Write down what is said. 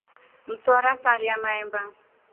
Msora salya mahemba.